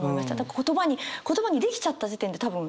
言葉に言葉にできちゃった時点で多分それは感動。